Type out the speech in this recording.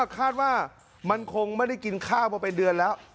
คาดว่ามันคงไม่ได้กินข้าวมาเป็นเดือนแล้ว